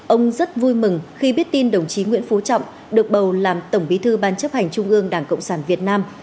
ông rất vui mừng khi biết tin đồng chí nguyễn phú trọng được bầu làm tổng bí thư ban chấp hành trung ương đảng cộng sản việt nam